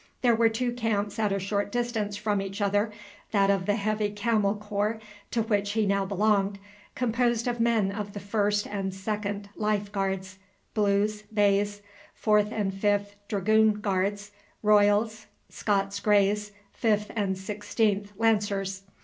There were two camps at a short distance from each other, that of the Heavy Camel Corps to which he now belonged, composed of men of the 1st and 2d Life Guards, Blues, Bays, 4th and 5th Dragoon Guards, Royals, Scots Greys, 5th and 16th Lancers.